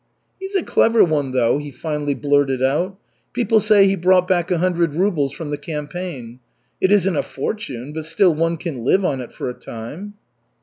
"He's a clever one, though," he finally blurted out. "People say he brought back a hundred rubles from the campaign. It isn't a fortune, but still one can live on it for a time."